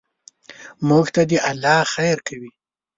موږ ته دې الله خیر کوي.